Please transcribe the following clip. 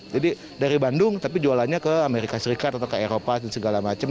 jadi dari bandung tapi jualannya ke amerika serikat atau ke eropa dan segala macam